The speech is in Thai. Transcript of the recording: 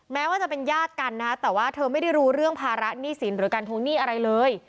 แม้ว่าจะเป็นญาติกันนะฮะแต่ว่าเธอไม่ได้รู้เรื่องภาระหนี้สินหรือการทวงหนี้อะไรเลย